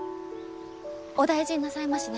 お大事になさいましね。